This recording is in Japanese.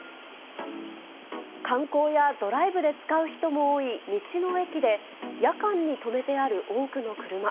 観光やドライブで使う人も多い道の駅で、夜間に止めてある多くの車。